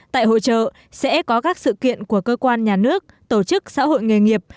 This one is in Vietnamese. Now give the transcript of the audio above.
tại hội trợ sẽ có các sự kiện của cơ quan nhà nước tổ chức xã hội nghề nghiệp